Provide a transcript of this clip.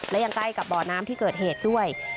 และยังใกล้กับบ่อน้ำที่เกิดเหตุด้วย